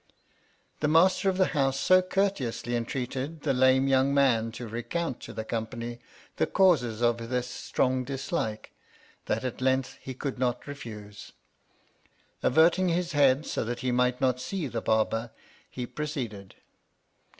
The master of the house so courteously entreated the lame young man to recount to the company the causes of this strong dislike, that at length he could not refuse. Avert ing his head so that he might not see the Barber, he proceeded.